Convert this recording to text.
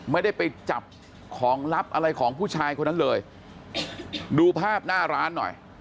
ไม่ได้ไปจับของลับอะไรของผู้ชายคนนั้นเลยดูภาพหน้าร้านหน่อย